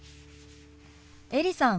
エリさん